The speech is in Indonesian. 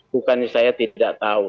bukannya saya tidak tahu